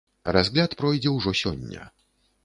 Разгляд пройдзе ўжо сёння.